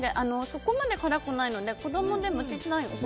そこまで辛くないので子供でも。